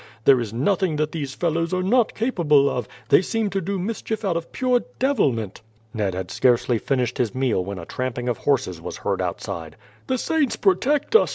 There is nothing that these fellows are not capable of; they seem to do mischief out of pure devilment." Ned had scarcely finished his meal when a tramping of horses was heard outside. "The saints protect us!"